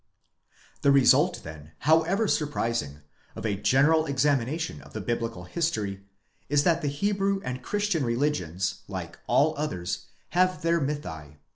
The result, then, however surprising, of a general examination of the biblical history, is that the Hebrew and Christian religions, like all others, have their mythi.